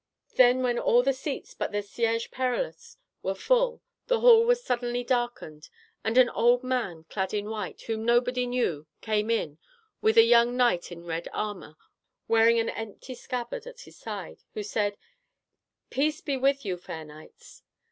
Then when all the seats but the "Siege Perilous" were full, the hall was suddenly darkened; and an old man clad in white, whom nobody knew, came in, with a young knight in red armor, wearing an empty scabbard at his side, who said, "Peace be with you, fair knights."